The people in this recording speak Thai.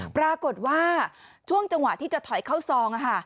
ปรากฏว่าช่วงจังหวะที่จะถอยเข้าซอง